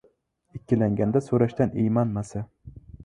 ikkilanganda so‘rashdan iymanmasa